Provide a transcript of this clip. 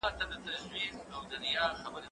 سیر د کتابتوننۍ له خوا کيږي،